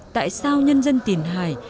tại sao nhân dân tiền hài